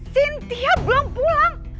sintia belum pulang